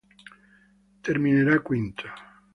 Terminerà quinto.